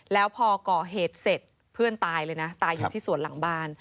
แล้วพอก่อเหตุเสร็จเพื่อนตายเลยนะตายอยู่ที่สวนหลังบ้าน